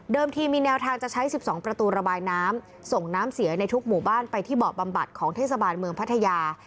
ทีมีแนวทางจะใช้๑๒ประตูระบายน้ำส่งน้ำเสียในทุกหมู่บ้านไปที่เบาะบำบัดของเทศบาลเมืองพัทยา